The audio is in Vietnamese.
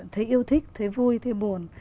thấy yêu thích thấy vui thấy buồn